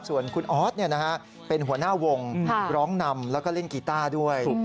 ส่วนคุณออสเป็นหัวหน้าวงร้องนำแล้วก็เล่นกีต้าด้วย